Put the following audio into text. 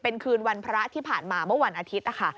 เป็นคืนวันพระที่ผ่านมาเมื่อวันอาทิตย์นะคะ